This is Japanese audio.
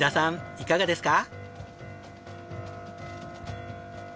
いかがですか？